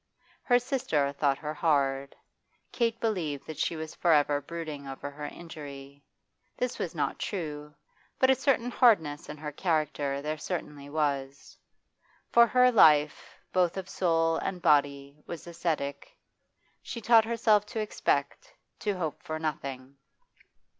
Her sister thought her hard. Kate believed that she was for ever brooding over her injury. This was not true, but a certain hardness in her character there certainly was. For her life, both of soul and body, was ascetic; she taught herself to expect, to hope for, nothing.